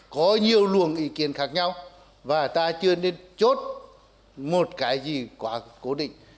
có nhiều luồng ý kiến khác nhau và ta chưa nên chốt một cái gì quá cố định